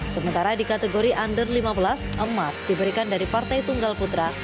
sementara di kategori under lima belas emas diberikan dari partai tunggal putra